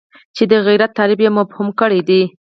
چې د غیرت تعریف یې مبهم کړی دی.